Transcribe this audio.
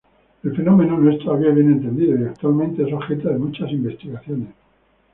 El fenómeno no es todavía bien entendido y actualmente es objeto de muchas investigaciones.